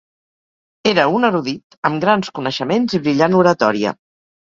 Era un erudit amb grans coneixements i brillant oratòria.